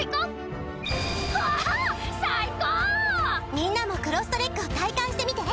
みんなもクロストレックを体感してみて！